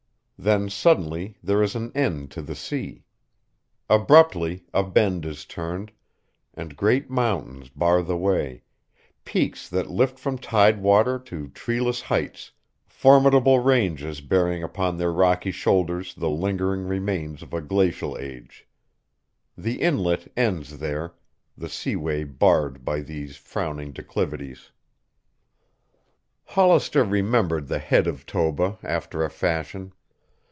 Then suddenly there is an end to the sea. Abruptly, a bend is turned, and great mountains bar the way, peaks that lift from tidewater to treeless heights, formidable ranges bearing upon their rocky shoulders the lingering remains of a glacial age. The Inlet ends there, the seaway barred by these frowning declivities. Hollister remembered the head of Toba after a fashion.